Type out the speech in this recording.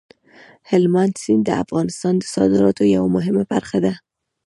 هلمند سیند د افغانستان د صادراتو یوه مهمه برخه ده.